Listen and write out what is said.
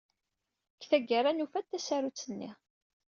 Deg tgara, nufa-d tasarut-nni.